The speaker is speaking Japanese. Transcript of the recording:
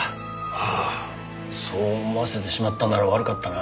ああそう思わせてしまったなら悪かったな。